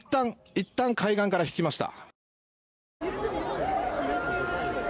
いったん、海岸から引きました。